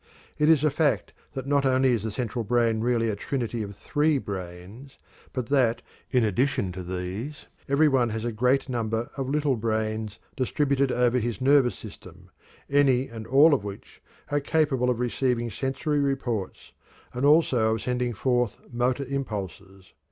It is a fact that not only is the central brain really a trinity of three brains, but that, in addition to these, every one has a great number of "little brains" distributed over his nervous system, any and all of which are capable of receiving sensory reports and also of sending forth motor impulses.